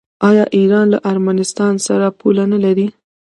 آیا ایران له ارمنستان سره پوله نلري؟